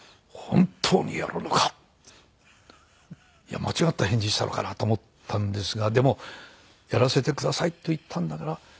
間違った返事したのかな？と思ったんですがでも「やらせてください」と言ったんだから「やります」。